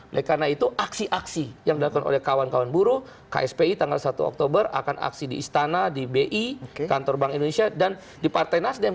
oleh karena itu aksi aksi yang dilakukan oleh kawan kawan buruh kspi tanggal satu oktober akan aksi di istana di bi kantor bank indonesia dan di partai nasdem